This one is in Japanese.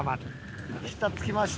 下つきました。